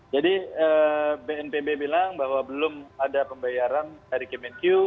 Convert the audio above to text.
jadi bnpb bilang bahwa belum ada pembayaran dari kemenkiu